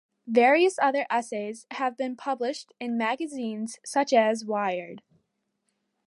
Various other essays have been published in magazines such as "Wired".